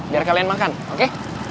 biar kalian makan oke